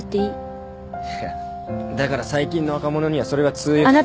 いやだから最近の若者にはそれは通用。